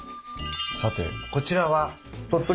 さてこちらは？